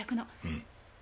うん。